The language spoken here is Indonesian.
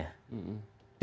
dikotomis itu bakal terjadi